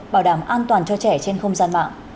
bảo đảm an toàn cho trẻ trên không gian mạng